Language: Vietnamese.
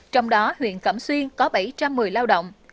trong đó huyện cẩm xuyên có bảy trăm một mươi lao động